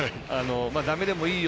だめでもいいよ。